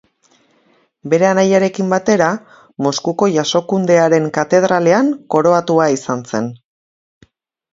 Bere anaiarekin batera, Moskuko Jasokundearen Katedralean koroatua izan zen.